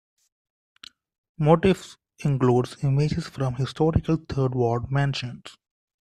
Motifs include images from historical Third Ward mansions.